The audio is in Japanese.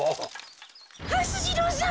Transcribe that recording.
はす次郎さん！